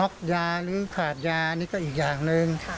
ขาดยานี่ก็อีกอย่างหนึ่ง